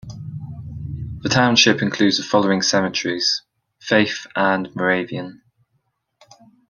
The township includes the following cemeteries: Faith and Moravian.